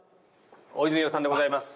大泉洋さんでございます。